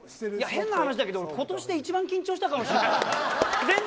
変な話だけど、今年で一番緊張したかもしれない。